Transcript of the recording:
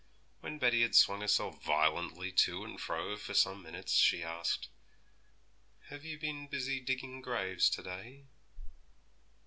When Betty had swung herself violently to and fro for some minutes, she asked, 'Have you been busy digging graves to day?'